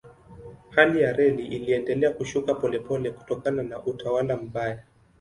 Hali ya reli iliendelea kushuka polepole kutokana na utawala mbaya.